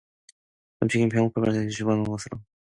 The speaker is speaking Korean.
금칙인 병행오팔도까지 집어넣은 것으로서